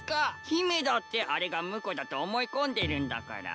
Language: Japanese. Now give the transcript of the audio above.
姫だってあれが婿だと思い込んでるんだから。